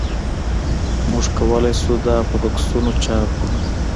هو موږ کولی شو دا په بکسونو چاپ کړو